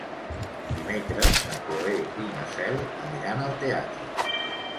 Dimecres na Cloè i na Cel aniran al teatre.